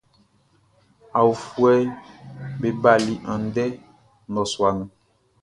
Aofuɛʼm be bali andɛ ndɔsua nun.